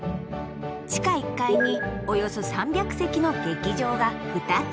地下１階におよそ３００席の劇場が２つ。